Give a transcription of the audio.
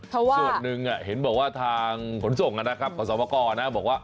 ภาคนึงประมาณทางผลส่งกันนะครับพระสมโอก้อหนักบอกว่า